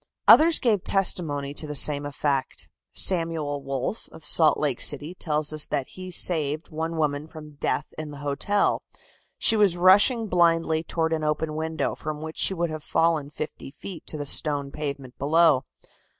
Others gave testimony to the same effect. Samuel Wolf, of Salt Lake City, tells us that he saved one woman from death in the hotel. She was rushing blindly toward an open window, from which she would have fallen fifty feet to the stone pavement below.